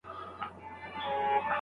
ته !